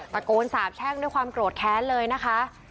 ตะโกนสาบแช่งด้วยความโกรธแค้นเลยนะคะ